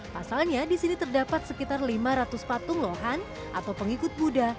pasalnya di sini terdapat sekitar lima ratus patung lohan atau pengikut buddha